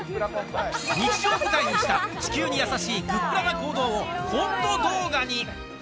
日常を舞台にした、地球にやさしいグップラな行動をコント動画に。